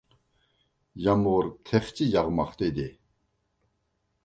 يامغۇر تېخىچە ياغماقتا ئىدى.